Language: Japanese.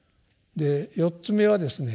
四つ目はですね